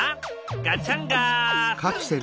ガチャンガフン！